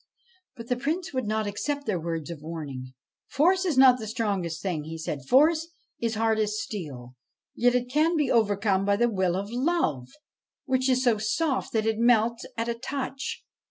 But the Prince would not accept their words of warning. ' Force is not the strongest thing," he said. ' Force is hard as steel, yet it can be overcome by the will of Love, which is so soft that it melts at a touch.